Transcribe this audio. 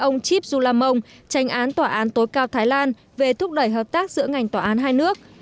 ông chip zulamong tranh án tòa án tối cao thái lan về thúc đẩy hợp tác giữa ngành tòa án hai nước